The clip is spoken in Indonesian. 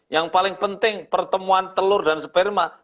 yang paling penting pertemuan telur dan sperma